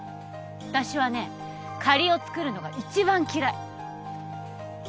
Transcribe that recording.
私はね借りをつくるのが一番嫌い